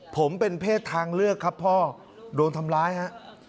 ผมเป็นเพศทางเลือกครับพ่อโดนทำร้ายฮะ